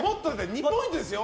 ２ポイントですよ。